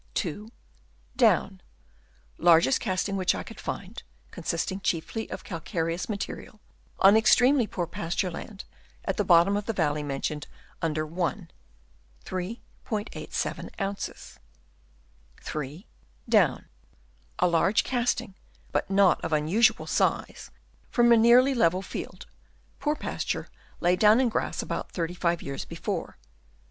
— Largest casting which I could find (con sisting chiefly of calcareous matter), on extremely poor pasture land at the bottom of the valley mentioned under (1.) (3.) Down. — A large casting, but not of unusual size, from a nearly level field, poor pasture, laid down in grass about 35 years before